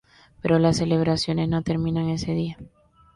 Pero las celebraciones no terminan ese día.